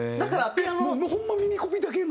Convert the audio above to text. もうホンマ耳コピだけの。